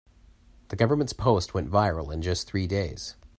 The government's post went viral in just three days.